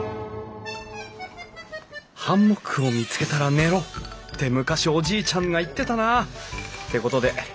「ハンモックを見つけたら寝ろ」って昔おじいちゃんが言ってたな。ってことで失礼します